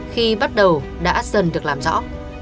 khi bắt đầu đã dần được làm rõ